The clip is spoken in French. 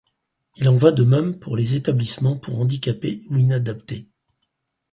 Il en va de même pour les établissements pour handicapés ou inadaptés.